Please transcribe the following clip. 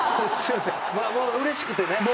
うれしくてね。